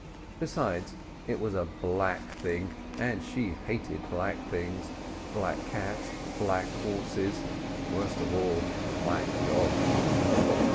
Besides, it was a black thing, and she hated black things—black cats, black horses; worst of all, black dogs.